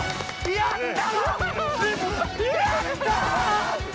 やった！